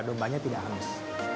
dombanya tidak anus